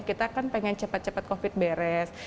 kita kan pengen cepat cepat covid beres